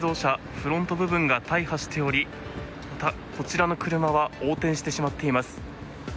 フロント部分が大破しておりこちらの車は横転しています。